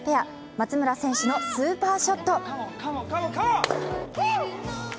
松村選手のスーパーショット。